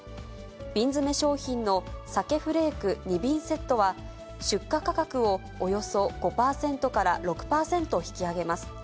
瓶詰商品のさけフレーク２瓶セットは、出荷価格をおよそ５％から６％引き上げます。